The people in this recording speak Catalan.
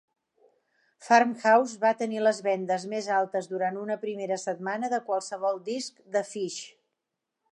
"Farmhouse" va tenir les vendes més altes durant una primera setmana de qualsevol disc de Phish.